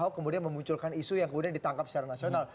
ahok kemudian memunculkan isu yang kemudian ditangkap secara nasional